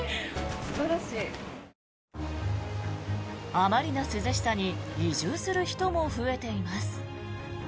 あまりの涼しさに移住する人も増えています。